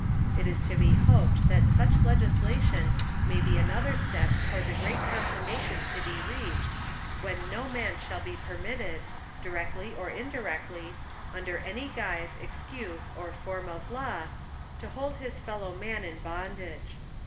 It is to be hoped that such legislation may be another step toward the great consummation to be reached, when no man shall be permitted, directly or indirectly, under any guise, excuse, or form of law, to hold his fellow man in bondage.